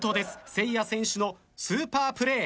せいや選手のスーパープレー。